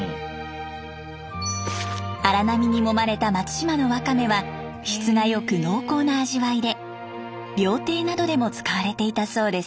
荒波にもまれた松島のワカメは質が良く濃厚な味わいで料亭などでも使われていたそうです。